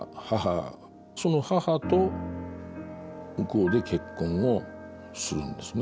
その母と向こうで結婚をするんですね。